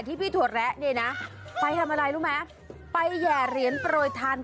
นี่ไงตลกต้องแบบนี้เดี๋ยวแย่เดี๋ยวแย่ง